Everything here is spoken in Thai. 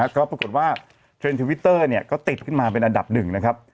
ก็ปรากฏว่าเทรนด์ทวิตเตอร์ก็ติดขึ้นมาเป็นอันดับหนึ่งนะครับ